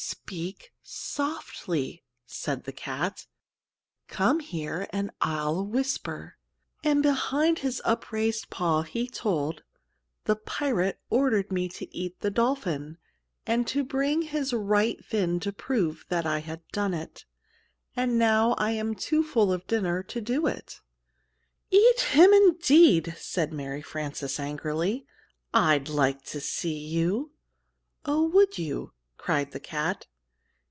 "Speak softly," said the cat. "Come here, and I'll whisper." And behind his upraised paw, he told, "The pirate ordered me to eat the dolphin; and to bring his right fin to prove that I'd done it. And now I'm too full of dinner to do it." "Eat him, indeed!" said Mary Frances, angrily. "I'd like to see you!" "Oh, would you?" cried the cat.